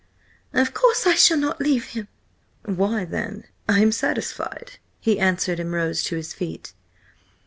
"Of course I shall not leave him!" "Why then, I am satisfied," he answered, and rose to his feet.